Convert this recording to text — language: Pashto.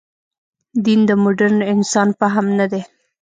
دین د مډرن انسان فهم نه دی.